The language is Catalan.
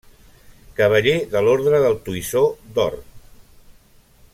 Cavaller de l'Orde del Toisó d'Or.